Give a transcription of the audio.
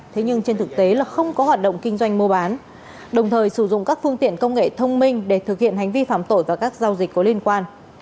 thế nhưng trên thực tế là không có hoạt động kinh doanh mua bán đồng thời sử dụng các phương tiện công nghệ thông minh để thực hiện hành vi phạm tội và các giao dịch có liên quan